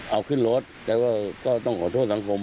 เอาขึ้นรถก็ต้องขอโทษสังคม